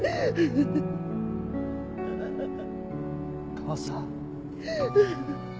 母さん。